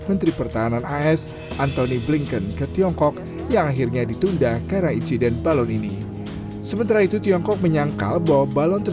mereka memutuskan bahwa saat terbaik untuk melakukan itu adalah jika kita menembus air di luar di dalam dua belas milimeter